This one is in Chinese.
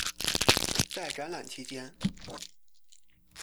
在展览期间。